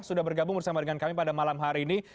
sudah bergabung bersama dengan kami pada malam hari ini